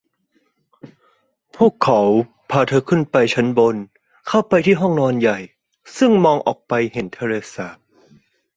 พวกเขาพาเธอขึ้นไปชั้นบนเข้าไปที่ห้องนอนใหญ่ซึ่งมองออกไปเห็นทะเลสาบ